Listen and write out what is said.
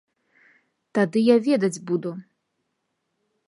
Тады я ведаць буду!